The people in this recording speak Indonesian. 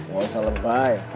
gak usah lebay